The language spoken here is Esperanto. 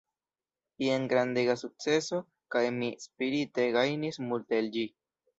Jen grandega sukceso kaj mi spirite gajnis multe el ĝi.